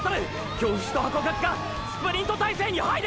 京伏とハコガクがスプリント体勢に入る！！